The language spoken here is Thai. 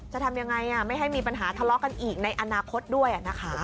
จะทำยังไงไม่ให้มีปัญหาทะเลาะกันอีกในอนาคตด้วยนะคะ